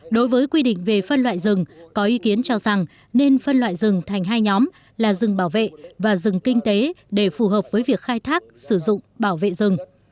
đối với quy định về phân loại rừng có ý kiến cho rằng nên phân loại rừng thành hai nhóm là rừng bảo vệ và rừng kinh tế để phù hợp với việc khai thác sử dụng bảo vệ rừng